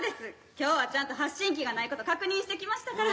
今日はちゃんと発信機がないこと確認してきましたから。